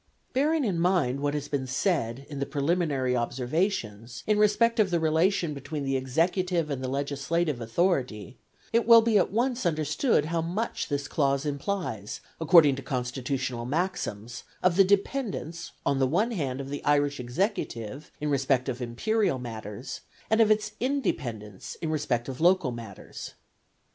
Bearing in mind what has been said in the preliminary observations in respect of the relation between the executive and the legislative authority, it will be at once understood how much this clause implies, according to constitutional maxims, of the dependence on the one hand of the Irish executive in respect of imperial matters, and of its independence in respect of local matters.